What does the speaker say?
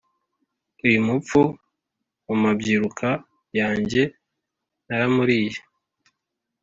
Uyu mupfu mu mabyiruka yanjye naramuliye